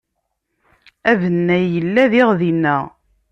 Abennay yella diɣ dinna.